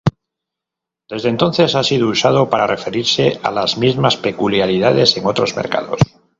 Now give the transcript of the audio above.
Desde entonces ha sido usado para referirse a las mismas peculiaridades en otros mercados.